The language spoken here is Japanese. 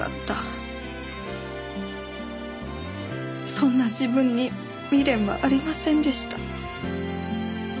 そんな自分に未練はありませんでした。